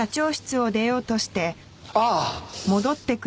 ああ！